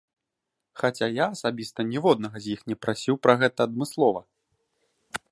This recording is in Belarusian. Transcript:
Хаця я асабіста ніводнага з іх не прасіў пра гэта адмыслова.